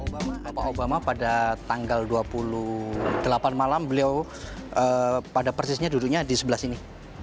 bapak obama pada tanggal dua puluh delapan malam beliau pada persisnya duduknya di sebelah sini